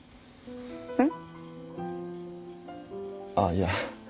ああいや